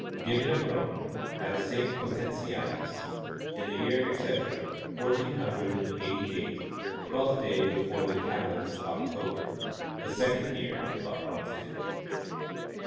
Given at Rome, at Saint Potenciana's, in the year, etc., fourteen hundred and forty eight, twelfth day before the kalends of Octo ber, the second year of our pontificate.